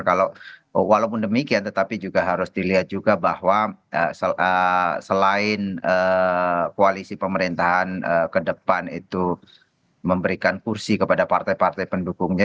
kalau walaupun demikian tetapi juga harus dilihat juga bahwa selain koalisi pemerintahan ke depan itu memberikan kursi kepada partai partai pendukungnya